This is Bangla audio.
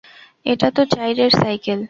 এটা তো চাইয়ের সাইকেল!